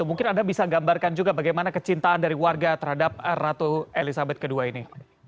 mungkin anda bisa gambarkan juga bagaimana kecintaan dari warga terhadap ratu elizabeth ii ini